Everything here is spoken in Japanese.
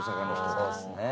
そうですね。